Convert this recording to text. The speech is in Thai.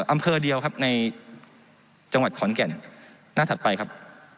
อำเภอเดียวครับในจังหวัดขอนแก่นหน้าถัดไปครับ